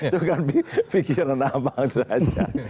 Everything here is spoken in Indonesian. itu kan pikiran abang saja